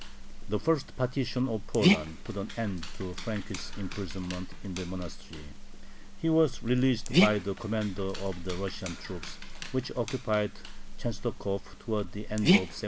The first partition of Poland put an end to Frank's imprisonment in the monastery. He was released by the commander of the Russian troops which occupied Chenstokhov towards the end of 1772.